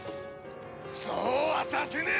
そうはさせねえ！